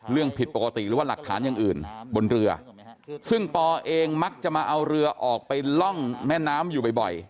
เรื่องผิดปกติหรือว่าหลักฐานอย่างอื่นบนเรือซึ่งปอเองมักจะมาเอาเรือออกไปล่องแม่น้ำอยู่บ่อย